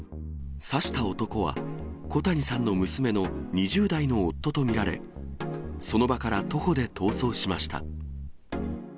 刺した男は、小谷さんの娘の２０代の夫と見られ、その場から徒歩で逃走しました。